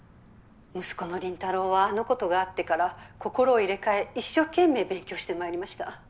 息子の倫太郎はあのことがあってから心を入れ替え一生懸命勉強して参りました。